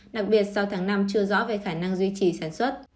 đặc biệt sau tháng năm chưa rõ về khả năng duy trì sản xuất